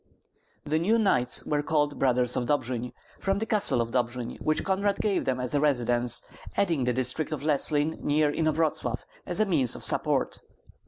The new knights were called Brothers of Dobjin, from the castle of Dobjin, which Konrad gave them as a residence, adding the district of Leslin near Inovratslav as a means of support.